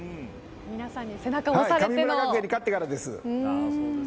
神村学園に勝ってからです。